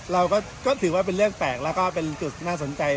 เราก็ถือว่าเป็นเรื่องแปลกแล้วก็เป็นจุดน่าสนใจ